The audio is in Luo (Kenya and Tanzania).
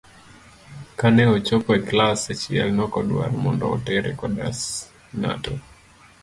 Kane ochopo e klas achiel nokodwar mondo otere kodas n'gato.